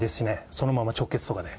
そのまま直結とかで。